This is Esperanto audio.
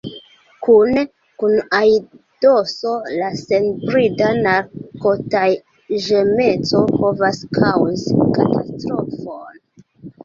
Kune kun aidoso la senbrida narkotaĵemeco povas kaŭzi katastrofon.